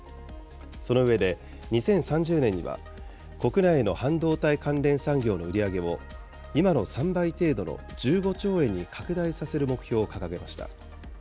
その上で、２０３０年には、国内の半導体関連産業の売り上げを今の３倍程度の１５兆円に拡大させる目標を掲げました。